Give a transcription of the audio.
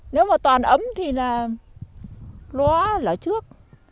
nếu mà toàn ấm thì nó lỡ trước